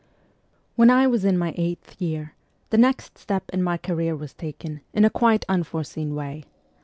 WHEN I was in my eighth year, the next step in my career was taken, in a quite unforeseen way.